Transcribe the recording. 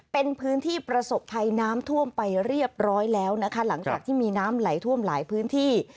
เป็นพื้นที่ประสบภัยน้ำท่วมไปเรียบร้อยแล้วนะคะหลังจากที่มีน้ำไหลท่วมหลายพื้นที่